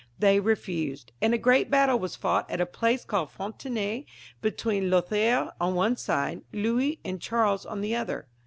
They refused, and a great battle was fought at a place called Fqntanet between Lothaire on one side^ Louis and Charles on the other.